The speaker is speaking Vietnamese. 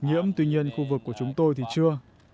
nhiễm tuy nhiên khu vực của chúng tôi thì chưa